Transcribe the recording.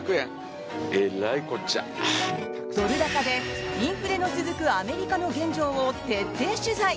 ドル高でインフレの続くアメリカの現状を徹底取材。